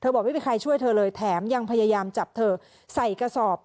บอกไม่มีใครช่วยเธอเลยแถมยังพยายามจับเธอใส่กระสอบ